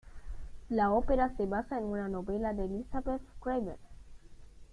La ópera se basa en una novela de Elizabeth Craven.